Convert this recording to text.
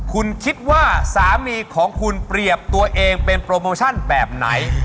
คุณคิดว่าสามีของคุณเปรียบตัวเองเป็นโปรโมชั่นแบบไหน